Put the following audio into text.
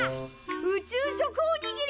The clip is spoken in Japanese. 宇宙食おにぎり！